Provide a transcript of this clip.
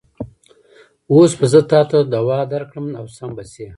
اوس به زه تاته دوا درکړم او سم به شې.